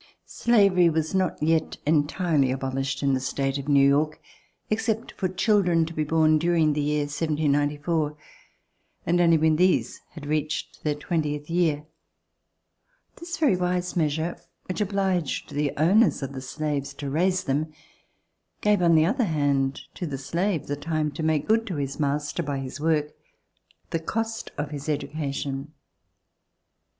Slavery was not yet entirely abolished in the state of New York, except for children to be born during the year of 1794, and only when these had reached their twentieth year. This very wise measure, which obliged the owners of the slaves to raise them, gave, on the other hand, to the slave the time to make good to his master, by his work, the cost of his education.